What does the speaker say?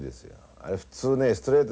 あれ普通ねストレート